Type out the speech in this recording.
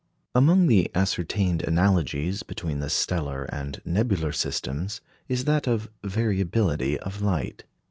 Among the ascertained analogies between the stellar and nebular systems is that of variability of light.